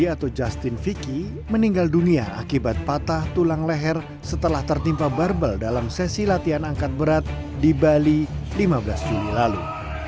atau justin vicky meninggal dunia akibat patah tulang leher setelah tertimpa barbel dalam sesi latihan angkat berat di bali lima belas juni lalu